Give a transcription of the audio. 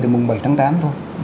từ mùng bảy tháng tám thôi